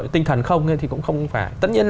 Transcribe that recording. tinh thần không thì cũng không phải tất nhiên